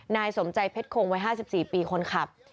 นายสมใจเพชรคงวัย๕๔ปีคนขับ